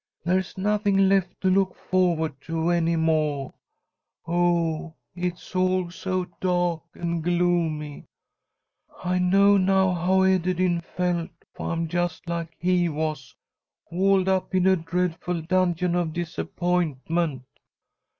There's nothing left to look forward to any moah. Oh, it's all so dah'k and gloomy I know now how Ederyn felt, for I'm just like he was, walled up in a dreadful Dungeon of Disappointment."